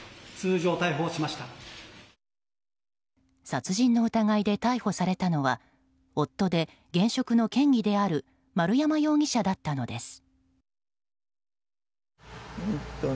殺人の疑いで逮捕されたのは夫で現職の県議である丸山容疑者だったのです。